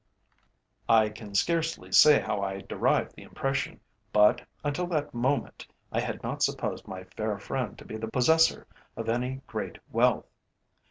I can scarcely say how I derived the impression, but, until that moment, I had not supposed my fair friend to be the possessor of any great wealth.